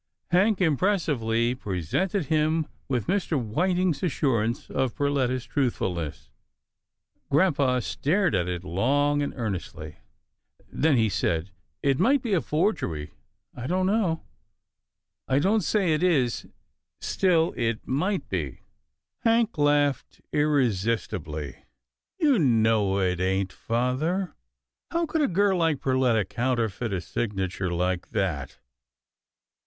" Hank impressively presented him with Mr. Whit ing's assurance of Perletta's truthfulness. Grampa stared at it long and earnestly. Then he 320 'TILDA JANE'S ORPHANS said, " It might be a forgery — I don't know — I don't say it is — still it might be." Hank laughed irresistibly. " You know it ain't, father. How could a girl like Perletta counterfeit a signature like that